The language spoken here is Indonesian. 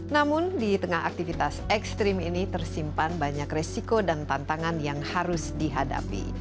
namun di tengah aktivitas ekstrim ini tersimpan banyak resiko dan tantangan yang harus dihadapi